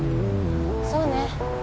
そうね。